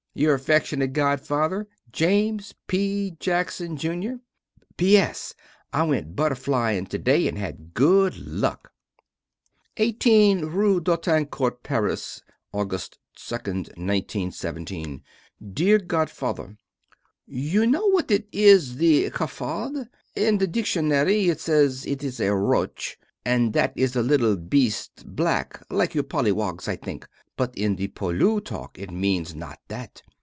Your affeckshunate godfather, James P. Jackson Jr. P.S. I went butterflying to day and had good luck. 18 rue d'Autancourt, Paris. August 2, 1917. Dear godfather: You know what it is the "cafard?" In the dictionary it say it is a "roach" and that is the little beast black like your pollywogs, I think. But in the Poilu talk it means not that.